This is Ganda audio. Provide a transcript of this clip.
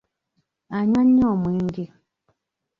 Anywa nnyo omwenge.